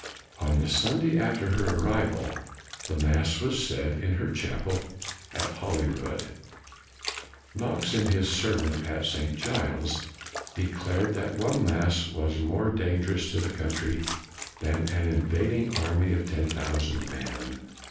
On the Sunday after her arrival, the mass was said in her chapel at Holyrood. Knox, in his sermon at St. Giles's, declared that one mass was more dangerous to the country than an invading army of ten thousand men.